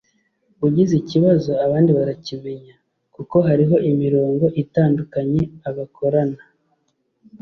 Ugize ikibazo abandi barakimenya kuko hariho imirongo itandukanye abakorana